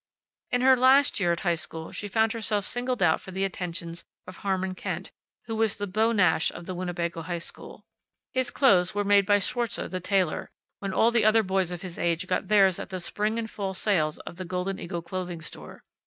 In her last year at high school she found herself singled out for the attentions of Harmon Kent, who was the Beau Nash of the Winnebago high school. His clothes were made by Schwartze, the tailor, when all the other boys of his age got theirs at the spring and fall sales of the Golden Eagle Clothing Store.